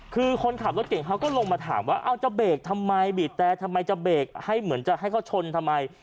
คือคนขับรถเก่งเขาก็ลงมาถามว่าเอาจะเบรกทำไมบีบแต่ทำไมจะเบรกให้เหมือนจะให้เขาชนทำไม